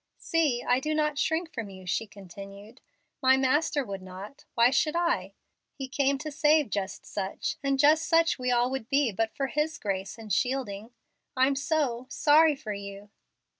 "See, I do not shrink from you," she continued. "My Master would not. Why should I? He came to save just such, and just such we all would be but for His grace and shielding. I'm so sorry for you."